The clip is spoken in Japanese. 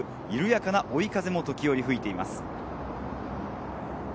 緩やかな追い風も時折吹いています。